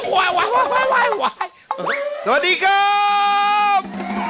สวัสดีครับ